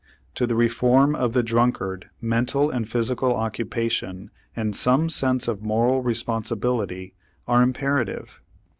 To the reform of the drunkard mental and physical occupation and some sense of moral responsibility are imperative.